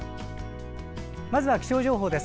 まずは気象情報です。